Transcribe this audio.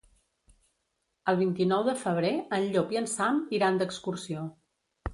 El vint-i-nou de febrer en Llop i en Sam iran d'excursió.